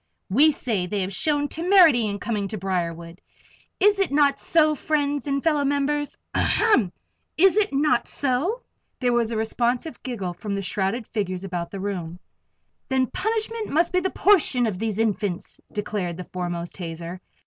We say they have shown temerity in coming to Briarwood is it not so, friends and fellow members ahem! is it not so?" There was a responsive giggle from the shrouded figures about the room. "Then punishment must be the portion of these Infants," declared the foremost hazer.